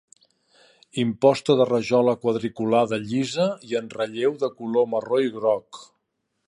Imposta de rajola quadriculada llisa i en relleu de color marró i groc.